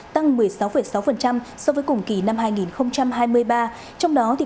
tăng một mươi sáu sáu so với cùng kỳ